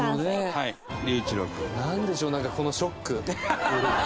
なんでしょうなんかこのショック。